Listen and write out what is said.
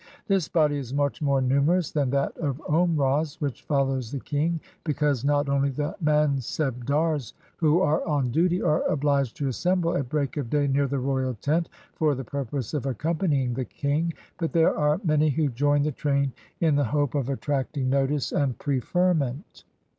This body is much more numerous than that of Omrahs, which follows the king; because not only the Mansehdars who are on duty are obliged to assemble at break of day near the royal tent, for the purpose of accompanying the king, but there are many who join the train in the hope of attracting notice and preferment.